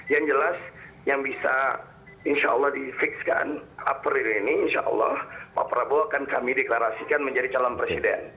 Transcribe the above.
yang jelas yang bisa insya allah di fix kan april ini insya allah pak prabowo akan kami deklarasikan menjadi calon presiden